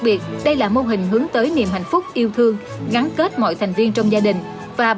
biệt đây là mô hình hướng tới niềm hạnh phúc yêu thương gắn kết mọi thành viên trong gia đình và